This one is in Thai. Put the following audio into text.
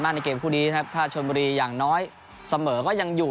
ในเกมคู่นี้นะครับถ้าชนบุรีอย่างน้อยเสมอก็ยังอยู่